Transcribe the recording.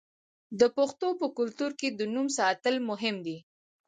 د پښتنو په کلتور کې د نوم ساتل مهم دي.